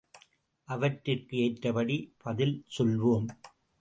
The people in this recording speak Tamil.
அவற்றிற்கு ஏற்றபடி பதில் சொல்வோம்.